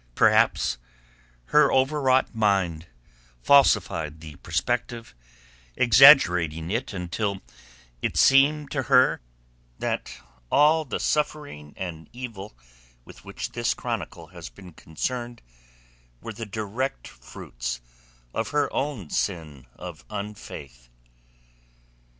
Perhaps her overwrought mind falsified the perspective, exaggerating it until it seemed to her that all the suffering and evil with which this chronicle has been concerned were the direct fruits of her own sin of unfaith.